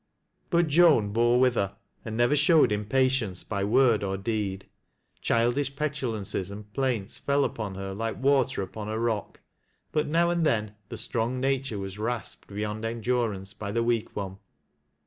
But Joan bore with her and never showed impatience lij word or deed. Childish petulances and plaints fell a\)on her like water upon a rock — but now and then the strong nature was rasped beyond endurance by the weak one.